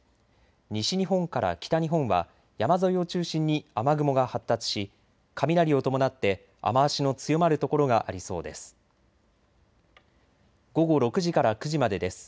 西日本から北日本は山沿いを中心に雨雲が発達し雷を伴って雨足の強まる所がありそうです。